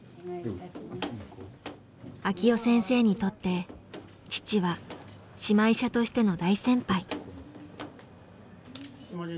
晃生先生にとって父は島医者としての大先輩。